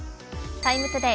「ＴＩＭＥ，ＴＯＤＡＹ」